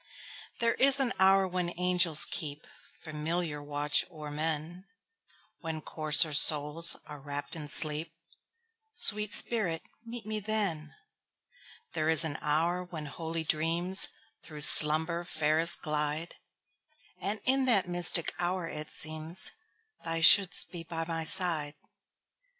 There is an hour when angels keepFamiliar watch o'er men, When coarser souls are wrapp'd in sleep—Sweet spirit, meet me then! There is an hour when holy dreamsThrough slumber fairest glide; And in that mystic hour it seemsThou shouldst be by my side.